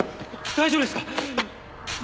大丈夫ですか！？